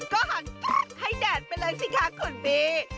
ก็หันให้แดดไปเลยสิคะคุณบี้